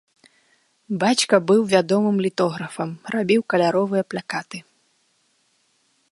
Бацька быў вядомым літографам, рабіў каляровыя плакаты.